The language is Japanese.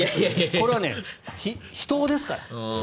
これはね、秘湯ですから。